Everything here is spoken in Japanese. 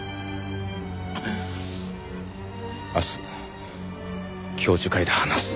明日教授会で話す。